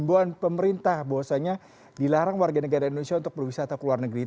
bahwa tidak banyak pesawat yang berwisata ke luar negeri